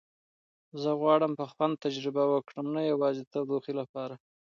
زه غواړم په خوند تجربه وکړم، نه یوازې د تودوخې لپاره.